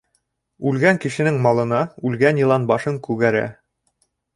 Үлгән кешенең малына үлгән йылан башын күгәрә.